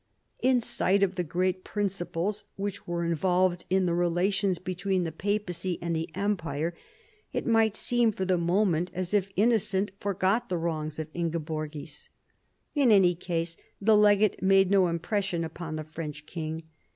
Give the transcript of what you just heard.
In sight of the great principles which were involved in the relations between the papacy and the empire, it might seem for the moment as if Innocent forgot the wrongs of Ingeborgis. In any case the legate made no impression upon the French king.